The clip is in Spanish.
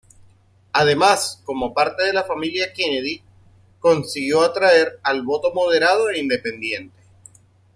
Además, como parte de la familia Kennedy, consiguió atraer al voto moderado e independiente.